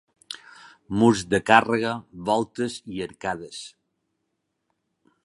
Murs de càrrega, voltes i arcades.